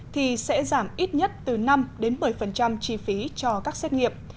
thì sẽ giảm ít nhất từ năm một mươi chi phí cho bệnh viện